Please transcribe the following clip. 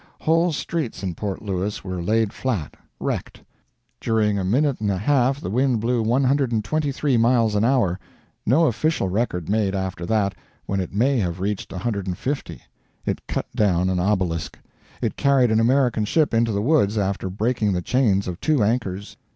Whole streets in Port Louis were laid flat wrecked. During a minute and a half the wind blew 123 miles an hour; no official record made after that, when it may have reached 150. It cut down an obelisk. It carried an American ship into the woods after breaking the chains of two anchors.